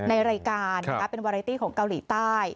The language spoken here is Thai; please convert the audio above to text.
ในรายการเป็นวาไรตี้ของเกาหลีใต้